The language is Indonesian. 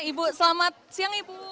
ibu selamat siang ibu